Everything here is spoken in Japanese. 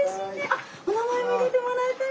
あっお名前も入れてもらえたよ。